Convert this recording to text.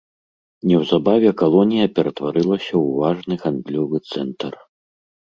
Неўзабаве калонія ператварылася ў важны гандлёвы цэнтр.